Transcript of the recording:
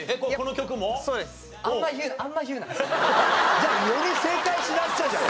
じゃあより正解しなくちゃじゃん！